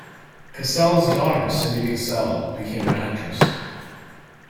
Cassell's daughter, Cindy Cassell, became an actress.